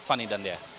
fani dan dia